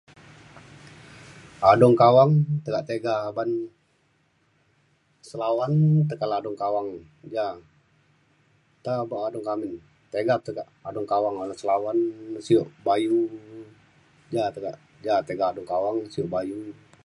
adung kawang tekak tiga uban selawan tekak le adung kawang ja. nta pa adung kak amin tiga tekak adung kawang ala selawan de sio bayu ja tekak ja adung kawang sio bayu